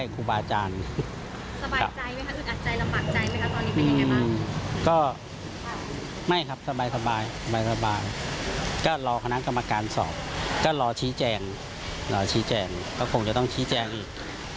ก็ไม่ครับสบายก็รอคณะกรรมการสอบก็รอชี้แจงก็คงจะต้องชี้แจงอีก